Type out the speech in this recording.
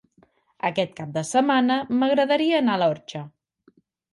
Aquest cap de setmana m'agradaria anar a l'Orxa.